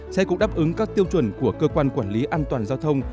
xe cũng đáp ứng các tiêu chuẩn của cơ quan quản lý an toàn giao thông